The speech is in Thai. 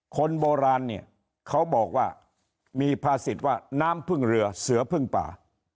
คนโบราณเนี่ยเขาบอกว่ามีภาษิตว่าน้ำพึ่งเรือเสือพึ่งป่า